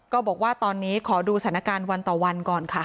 ก็บอกว่าตอนนี้ขอดูสถานการณ์วันต่อวันก่อนค่ะ